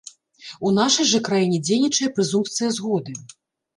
У нашай жа краіне дзейнічае прэзумпцыя згоды.